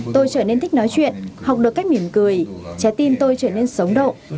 tôi trở nên thích nói chuyện học được cách miển cười trái tim tôi trở nên sống động